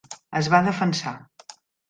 Es va defensar.